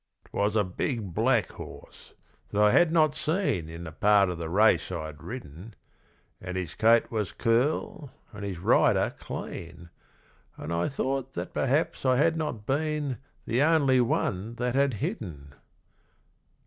'Twas a big black horse, that I had not seen In the part of the race I'd ridden; And his coat was cool and his rider clean, And I thought that perhaps I had not been The only one that had hidden.